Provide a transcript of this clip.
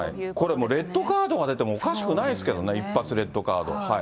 これもうレッドカードが出てもおかしくないですけどね、一発レッドカード。